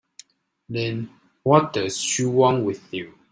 Then what does she want with you?